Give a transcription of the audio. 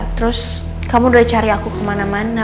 terus kamu udah cari aku kemana mana